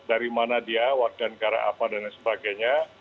dari mana dia warga negara apa dan lain sebagainya